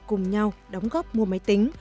cùng nhau đóng góp mua máy tính